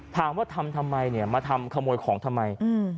ถามว่าทำทำไมเนี่ยมาทำขโมยของทำไม